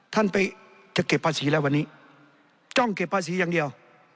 ท่านไปจะเก็บภาษีแล้ววันนี้จ้องเก็บภาษีอย่างเดียว